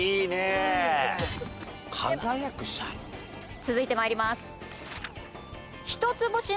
続いて参ります。